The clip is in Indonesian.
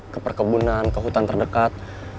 ke perkebunan ke hutan terdekat